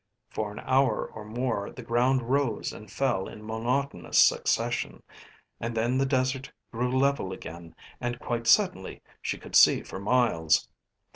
For an hour or more the ground rose and fell in monotonous succession, and then the desert grew level again and quite suddenly she could see for miles.